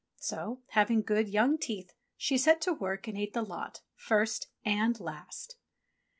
So, having good, young teeth, she set to work and ate the lot, first and last.